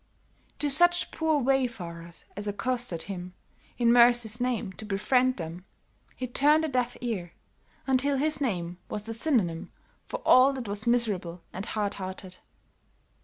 To such poor wayfarers as accosted him, in mercy's name, to befriend them, he turned a deaf ear, until his name was the synonym for all that was miserable and hard hearted.